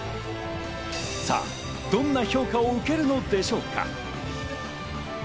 さあ、どんな評価を受けるのでしょうか。